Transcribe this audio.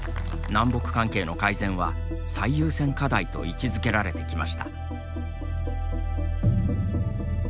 南北関係の改善は最優先課題と位置づけられてきました。